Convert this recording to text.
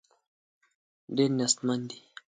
ډېر نېستمن دي.